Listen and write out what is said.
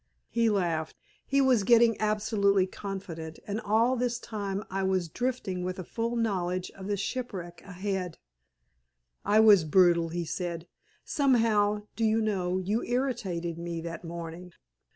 He laughed. He was getting absolutely confident; and all this time I was drifting with a full knowledge of the shipwreck ahead. "I was brutal," he said. "Somehow, do you know, you irritated me that morning?